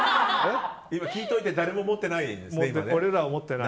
今、聞いておいて誰も持ってないんですね。